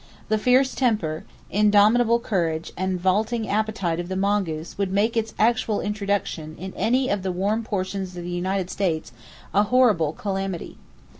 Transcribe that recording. The fierce temper, indomitable courage and vaulting appetite of the mongoose would make its actual introduction in any of the warm portions of the United States a horrible calamity.